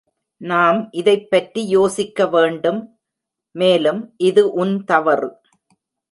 நாம் இதைப்பற்றி யோசிக்கவேண்டும், மேலும் இது உன் தவறு.